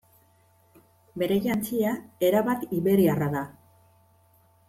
Bere jantzia, erabat iberiarra da.